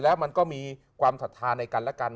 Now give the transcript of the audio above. แล้วมันก็มีความศรัทธาในกันและกัน